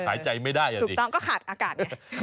อากาศ